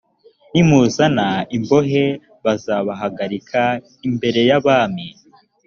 nimuzana imbohe bazabahagarika imbere y abami